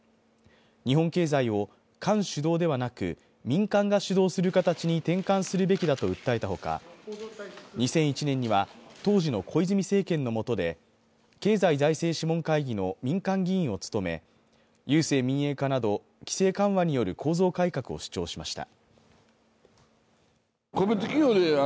日本経済を官主導ではなく民間が主導する形に転換するべきだと訴えたほか、２００１年には当時の小泉政権のもとで、経済財政諮問会議の民間議員を務め郵政民営化など規制緩和による構造改革を主張しました。